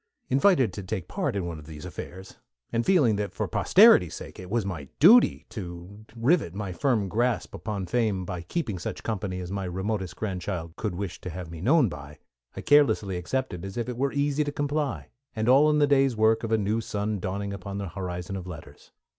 Invited to take part in one of these affairs, and feeling that for posterity's sake it was my duty to rivet my firm grasp upon Fame by keeping such company as my remotest great grandchild could wish to have me known by, I carelessly accepted as if it were easy to comply, and all in the day's work of a new sun dawning upon the horizon of letters.